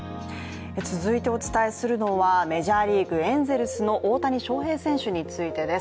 続いてお伝えするのはメジャーリーグ大谷翔平選手についてです。